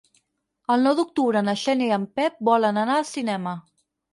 El nou d'octubre na Xènia i en Pep volen anar al cinema.